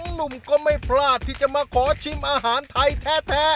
หนุ่มก็ไม่พลาดที่จะมาขอชิมอาหารไทยแท้